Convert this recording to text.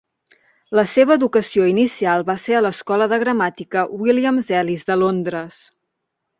La seva educació inicial va ser a l'escola de gramàtica Williams Ellis de Londres.